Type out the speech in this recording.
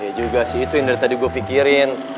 iya juga sih itu yang dari tadi gue pikirin